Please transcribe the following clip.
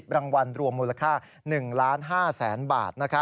รางวัลรวมมูลค่า๑๕๐๐๐๐บาท